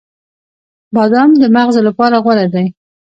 • بادام د مغزو لپاره غوره دی.